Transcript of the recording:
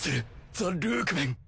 ザ・ルークメン！